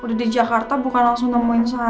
udah di jakarta bukan langsung nemuin saya